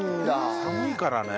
寒いからね。